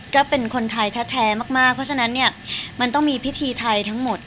ก็เป็นคนไทยแท้มากเพราะฉะนั้นเนี่ยมันต้องมีพิธีไทยทั้งหมด